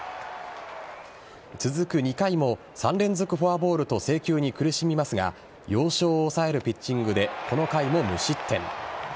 続く２回も３連続フォアボールと制球に苦しみますが要所を抑えるピッチングでこの回も無失点。